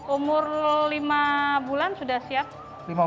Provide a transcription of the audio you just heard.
umur lima bulan sudah siap